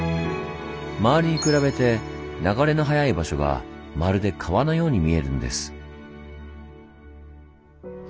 周りに比べて流れの速い場所がまるで川のように見えるんです。